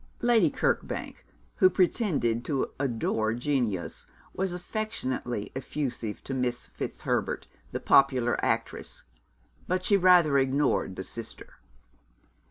Lady Kirkbank, who pretended to adore genius, was affectionately effusive to Miss Fitzherbert, the popular actress, but she rather ignored the sister.